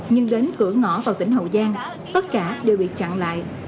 nhưng đến cửa ngõ vào tỉnh hậu giang tất cả đều bị chặn lại